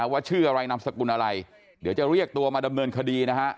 ชื่ออะไรนามสกุลอะไรเดี๋ยวจะเรียกตัวมาดำเนินคดีนะฮะ